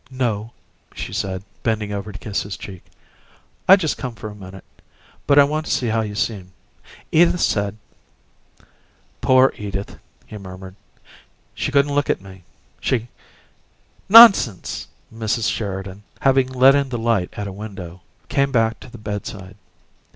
"No," she said, bending over to kiss his cheek, "I just come for a minute, but I want to see how you seem. Edith said " "Poor Edith!" he murmured. "She couldn't look at me. She " "Nonsense!" Mrs. Sheridan, having let in the light at a window, came back to the bedside.